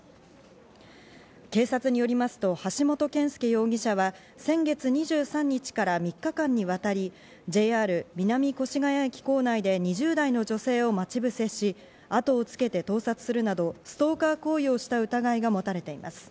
警察によりますと橋本憲介容疑者は、先月２３日から３日間にわたりＪＲ南越谷駅構内で２０代の女性を待ち伏せし、後をつけて盗撮するなどストーカー行為をした疑いがもたれています。